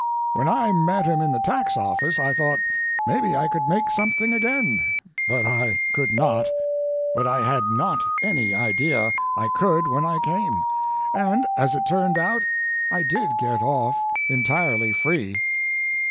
When I met him in the tax office I thought maybe I could make something again, but I could not. But I had not any idea I could when I came, and as it turned out I did get off entirely free.